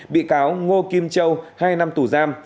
bị cáo ngô kim châu hai năm tù giam